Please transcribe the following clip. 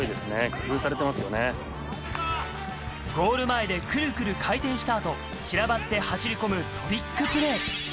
ゴール前でクルクル回転したあと散らばって走り込むトリックプレー。